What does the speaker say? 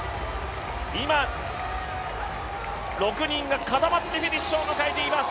今、６人が固まってフィニッシュを迎えています。